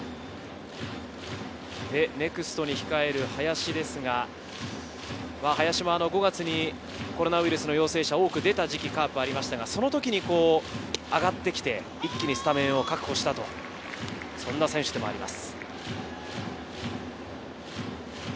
ネクストに控える林ですが、林も５月にコロナウイルスの陽性者が多く出た時期にカープはありましたけれど、そういったときに上がってきて一気にスタメンを確保した、そんな選手でもあります。